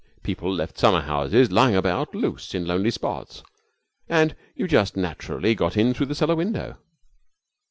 People left summer homes lying about loose in lonely spots, and you just naturally got in through the cellar window.